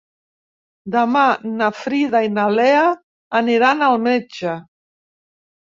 Demà na Frida i na Lea aniran al metge.